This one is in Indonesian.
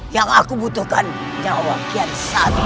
yang aku butuhkan jawab kiansantak